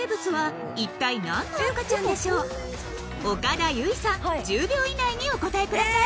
［岡田結実さん１０秒以内にお答えください］